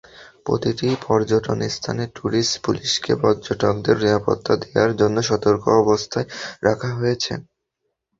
প্রতিটি পর্যটনস্থানে টুরিস্ট পুলিশকে পর্যটকদের নিরাপত্তা দেওয়ার জন্য সতর্ক অবস্থায় রাখা হয়েছে।